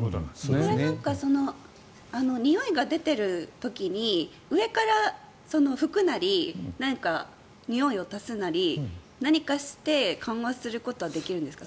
これにおいが出てる時に上から拭くなりにおいを足すなり何かして緩和することはできるんですか？